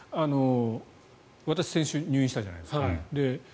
私、先週入院したじゃないですか。